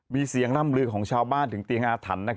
มีเสียงล่ำลือของชาวบ้านถึงเตียงอาถรรพ์